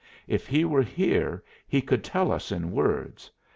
If he were here he could tell us in words.